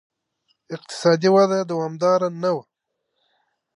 اقتصادي وده یې دوامداره نه وه